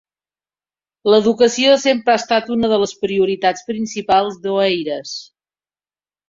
L'educació sempre ha estat una de les prioritats principals d'Oeiras.